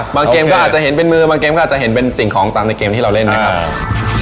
เกมก็อาจจะเห็นเป็นมือบางเกมก็อาจจะเห็นเป็นสิ่งของตามในเกมที่เราเล่นนะครับ